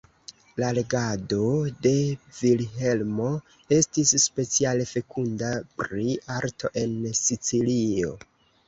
La regado de Vilhelmo estis speciale fekunda pri arto en Sicilio.